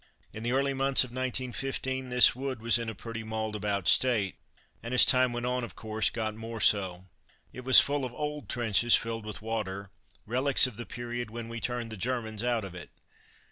In the early months of 1915 this wood was in a pretty mauled about state, and as time went on of course got more so. It was full of old trenches, filled with water, relies of the period when we turned the Germans out of it.